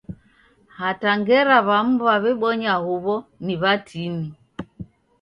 Hata ngera w'amu w'aw'ibonya huw'o ni w'atini.